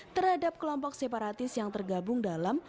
terhadap kelompok separatis yang tergabung dalam